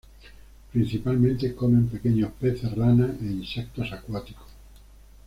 Principalmente comen pequeños peces, ranas e insectos acuáticos.